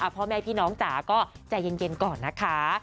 พ่อแม่พี่น้องจ๋าก็ใจเย็นก่อนนะคะ